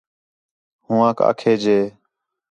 ہوآنک آکھے ڄے